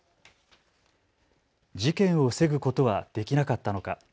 事件を防ぐことはできなかったのか。